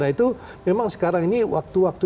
nah itu memang sekarang ini waktu waktu